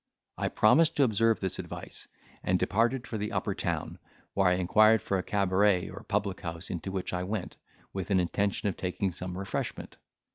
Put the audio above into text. I promised to observe his advice, and departed for the Upper Town, where I inquired for a cabaret, or public house, into which I went, with an intention of taking some refreshment.